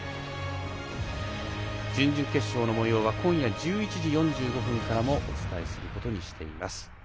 準々決勝のもようは今夜１１時４５分からお伝えすることにしています。